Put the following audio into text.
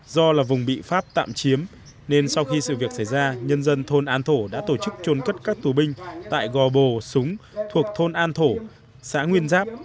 do là vùng bị phát tạm chiếm nên sau khi sự việc xảy ra nhân dân thôn an thổ đã tổ chức trôn cất các tù binh tại gò bồ súng thuộc thôn an thổ xã nguyên giáp